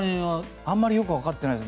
あまりよくわかってないです。